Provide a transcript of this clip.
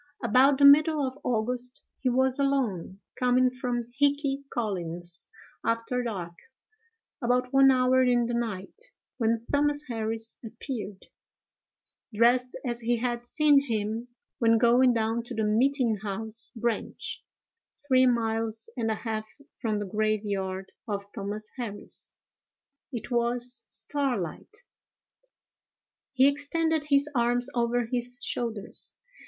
About the middle of August he was alone, coming from Hickey Collins's, after dark, about one hour in the night, when Thomas Harris appeared, dressed as he had seen him when going down to the meeting house branch, three miles and a half from the graveyard of Thomas Harris. It was starlight. He extended his arms over his shoulders.